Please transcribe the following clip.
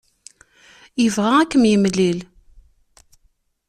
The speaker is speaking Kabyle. Yebɣa ad kem-yemlil.